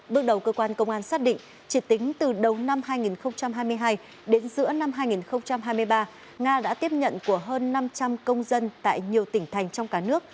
bước đầu cơ quan công an xác định chỉ tính từ đầu năm hai nghìn hai mươi hai đến giữa năm hai nghìn hai mươi ba nga đã tiếp nhận của hơn năm trăm linh công dân tại nhiều tỉnh thành trong cả nước